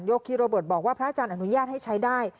คีโรเบิร์ตบอกว่าพระอาจารย์อนุญาตให้ใช้ได้